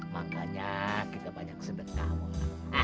bukannya kita banyak sedekah wong